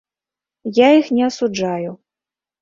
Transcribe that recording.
Я іх не асуджаю.